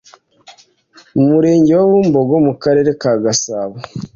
mu murenge wa Bumbogo mu karere ka Gasabo